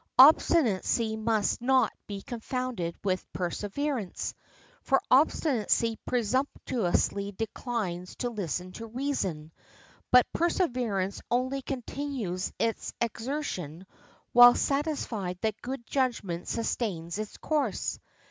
Obstinacy must not be confounded with perseverance; for obstinacy presumptuously declines to listen to reason, but perseverance only continues its exertion while satisfied that good judgment sustains its course.